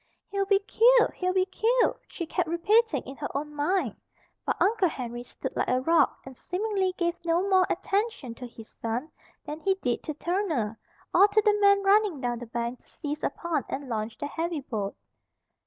"He'll be killed! He'll be killed!" she kept repeating in her own mind. But Uncle Henry stood like a rock and seemingly gave no more attention to his son than he did to Turner, or to the men running down the bank to seize upon and launch the heavy boat.